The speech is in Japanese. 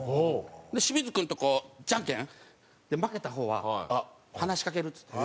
シミズ君とこうじゃんけんで負けた方は話しかけるっつって。